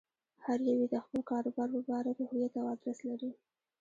هر يو يې د خپل کاروبار په باره کې هويت او ادرس لري.